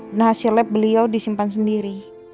dan hasil lab beliau disimpan sendiri